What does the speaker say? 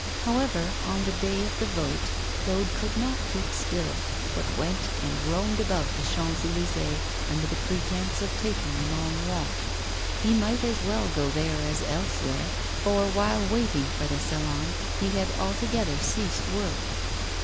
However, on the day of the vote Claude could not keep still, but went and roamed about the Champs Elysées under the pretence of taking a long walk. He might as well go there as elsewhere, for while waiting for the Salon he had altogether ceased work.